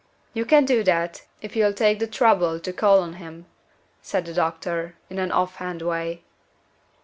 "You can do that, if you'll take the trouble to call on him," said the doctor, in an off hand way.